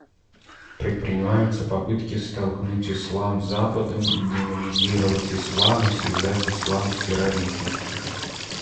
Предпринимаются попытки столкнуть ислам с Западом, демонизировать ислам и связать ислам с терроризмом.